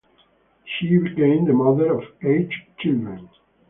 She became the mother of eight children.